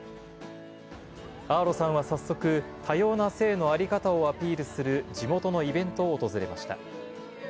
アーロさんは早速、多様な性の在り方をアピールする地元のイベントを訪れました。